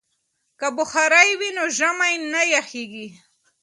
که بخارۍ وي نو ژمی نه یخیږي.